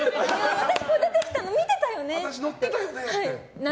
私、こう出てきたのよ見てたよね？